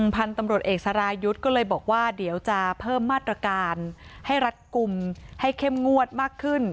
พันธุ์ตำรวจเอกสรายุทธ์ก็เลยบอกว่าเดี๋ยวจะเพิ่มมาตรการให้รัฐกลุ่มให้เข้มงวดมากขึ้น